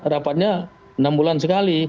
rapatnya enam bulan sekali